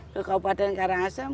ke kabupaten karangasem